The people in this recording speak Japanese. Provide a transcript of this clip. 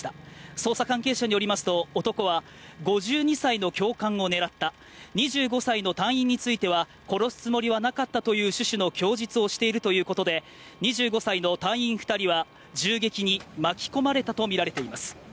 捜査関係者によりますと男は、５２歳の教官を狙った、２５歳の隊員については殺すつもりはなかったという趣旨の供述をしているということで２５歳の隊員２人は銃撃に巻き込まれたとみられています。